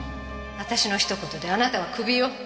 私のひと言であなたはクビよ。